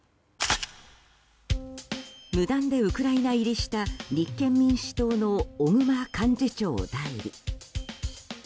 無断でウクライナ入りした立憲民主党の小熊幹事長代理。